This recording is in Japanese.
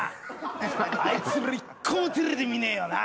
あいつら一個もテレビで見ねえよな。